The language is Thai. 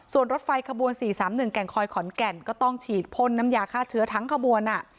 ส่วนรถไฟขบวน๔๓๑แก่งคอยขอนแก่นก็ต้องฉีดพ่นน้ำยาฆ่าเชื้อทั้งขบวน